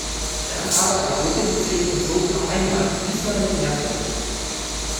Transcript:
Dann aber erholte sie sich und zog noch einmal, diesmal mit mehr Vorsicht.